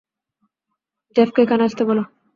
জেফকে এখানে আসতে বল।